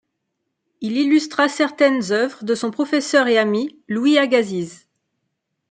Il illustra certaines œuvres de son professeur et ami, Louis Agassiz.